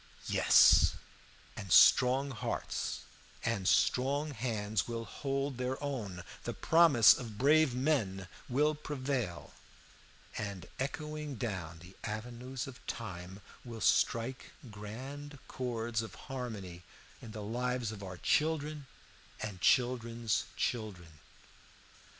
"Yes, and strong hearts and strong hands will hold their own; the promise of brave men will prevail, and echoing down the avenues of time will strike grand chords of harmony in the lives of our children and children's children.